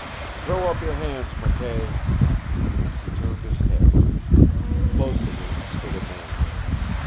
"Throw up your hands, McKay!" He turned his head. Close to him stood a man.